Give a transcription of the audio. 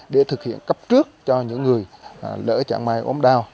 để thực hiện cấp trước cho những người lỡ chẳng may ốm đau